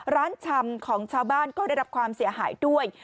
ชำของชาวบ้านก็ได้รับความเสียหายด้วย